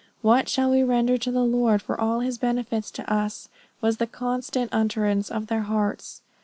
"What shall we render to the Lord for all his benefits to us," was the constant utterance of their hearts.